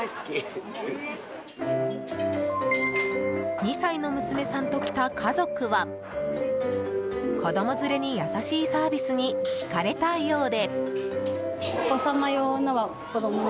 ２歳の娘さんと来た家族は子供連れに優しいサービスに引かれたようで。